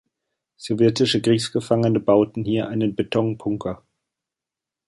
Sowjetische Kriegsgefangene bauten hier einen Betonbunker.